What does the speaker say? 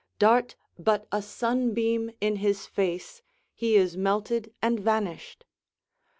Dart but a sunbeam in his face, he is melted and vanished.